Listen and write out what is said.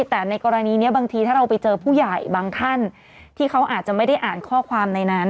แต่ในกรณีนี้บางทีถ้าเราไปเจอผู้ใหญ่บางท่านที่เขาอาจจะไม่ได้อ่านข้อความในนั้น